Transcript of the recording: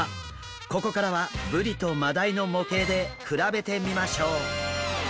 ここからはブリとマダイの模型で比べてみましょう。